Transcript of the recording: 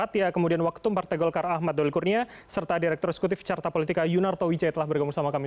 dia kemudian waketum partai golkar ahmad doli kurnia serta direktur eksekutif carta politika yunarto wijaya telah bergabung sama kami